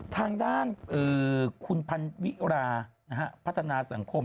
ทางด้านคุณพันวิราพัฒนาสังคม